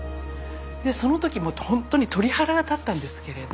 でその時もうほんとに鳥肌が立ったんですけれど。